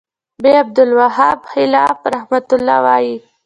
ب : عبدالوهاب خلاف رحمه الله وایی